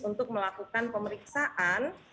untuk melakukan pemeriksaan